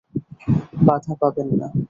বাধা পাবেন না।